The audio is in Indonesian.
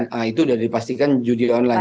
nah itu sudah dipastikan judi online